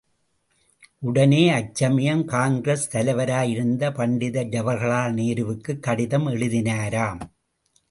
உடனே அச்சமயம் காங்கிரஸ் தலைவராயிருந்த பண்டித ஜவஹர்லால் நேருவுக்குக் கடிதம் எழுதினாராம்.